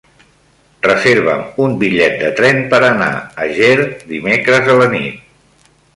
Reserva'm un bitllet de tren per anar a Ger dimecres a la nit.